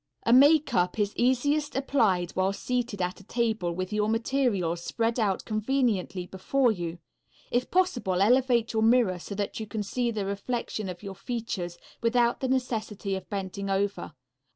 A makeup is easiest applied while seated at a table with your materials spread out conveniently before you. If possible, elevate your mirror so that you can see the reflection of your features without the necessity of bending over.